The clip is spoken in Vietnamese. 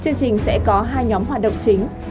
chương trình sẽ có hai nhóm hoạt động chính